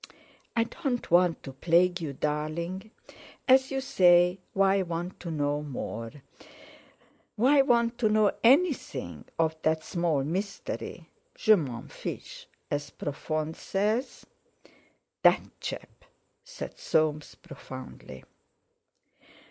"I don't want to plague you, darling. As you say, why want to know more? Why want to know anything of that 'small' mystery—Je m'en fiche, as Profond says?" "That chap!" said Soames profoundly.